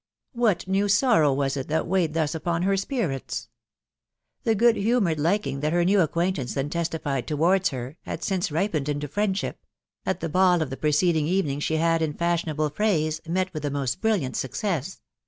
What new sorrow was it that weighed thus upon her spirits ?.... The good humoured liking that her new acquaintance then testified towards her, had since ripened into friendship ...% at the ball of the pre ceding evening she had, in fashionable phrase, met with the most brilliant success